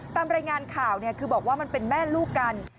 ตามรายงานข่าวคือบอกว่ามันเป็นแม่ลูกกัน